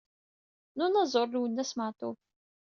N unaẓur Lwennas Meɛtub.